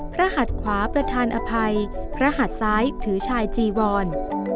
พระหัตถ์ขวาประธานอภัยพระหัตถ์ซ้ายถือชายจีวร